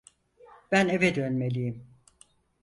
Ben eve dönmeliyim.